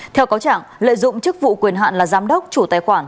theo cáo trạng lợi dụng chức vụ quyền hạn là giám đốc chủ tài khoản